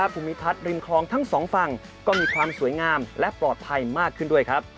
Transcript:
ภูมิทัศน์ริมคลองทั้งสองฝั่งก็มีความสวยงามและปลอดภัยมากขึ้นด้วยครับ